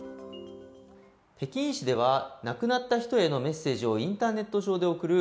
北京市では、亡くなった人へのメッセージをインターネット上で送る